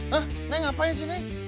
hah neng ngapain sih ini